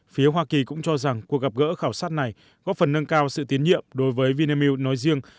phía hoa kỳ cũng cho rằng cuộc gặp gỡ khảo sát này góp phần nâng cao sự tiến nhiệm đối với vinamilk nói riêng